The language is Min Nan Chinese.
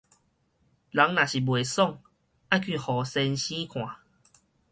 人若是無爽快，愛去予先生看